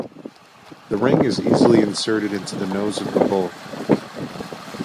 This ring is easily inserted into the nose of the bull.